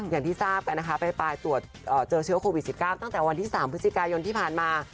อย่างที่ทราบกันนะคะปลายตรวจเจอเชื้อโควิด๑๙ตั้งแต่วันที่๓พฤศจิกายนที่ผ่านมา